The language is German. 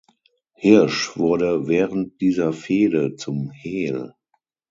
Hirsch wurde während dieser Fehde zum Heel.